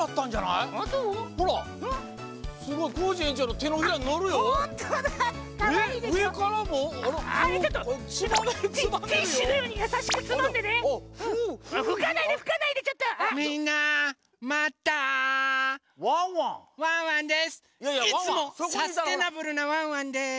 いつもサステナブルなワンワンです。